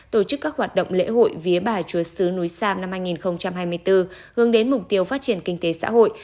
tổ chức các hoạt động lễ hội vía bà chúa sứ núi sam năm hai nghìn hai mươi bốn hướng đến mục tiêu phát triển kinh tế xã hội